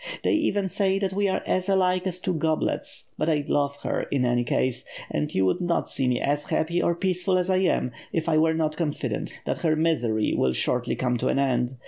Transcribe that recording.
They even say that we are as alike as two goblets, but I love her, in any case; and you would not see me as happy or j>eaceful as I am, if I were not confident that her misery will shortly come to an end.